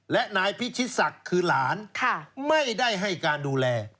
และนายพิชิตศักดิ์คือหลานไม่ได้ให้การดูแล